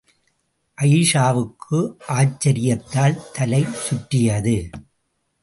அயீஷாவுக்கு ஆச்சரியத்தால் தலை சுற்றியது.